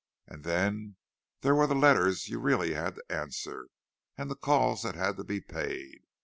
And then there were the letters you really had to answer, and the calls that had to be paid.